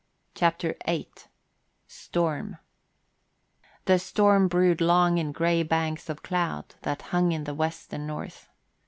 CHAPTER VIII STORM The storm brewed long in gray banks of cloud that hung in the west and north.